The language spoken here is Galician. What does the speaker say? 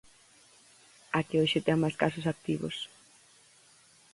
A que hoxe ten máis casos activos.